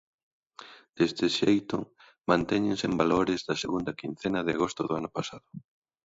Deste xeito, mantéñense en valores da segunda quincena de agosto do ano pasado.